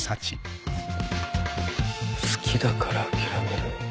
好きだから諦める。